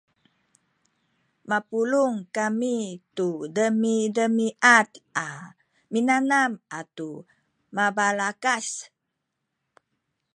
mapulung kami tu demidemiad a minanam atu mabalakas